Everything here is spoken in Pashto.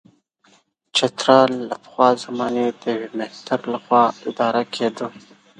چترال له پخوا زمانې د یوه مهتر له خوا اداره کېده.